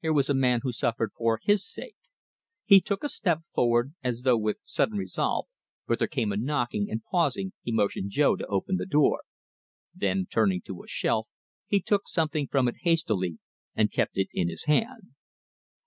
Here was a man who suffered for his sake.... He took a step forward, as though with sudden resolve, but there came a knocking, and, pausing, he motioned Jo to open the door. Then, turning to a shelf, he took something from it hastily, and kept it in his hand.